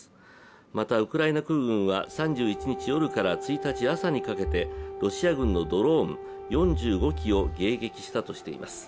また、ウクライナ空軍は３１日夜から１日朝にかけてロシア軍のドローン４５機を迎撃したとしています。